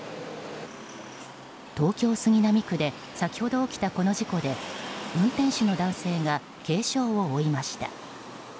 東京・杉並区で先ほど起きたこの事故で運転手の男性が軽傷を負いました。